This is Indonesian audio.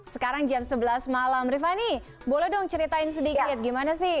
sekarang jam sebelas malam rifani boleh dong ceritain sedikit gimana sih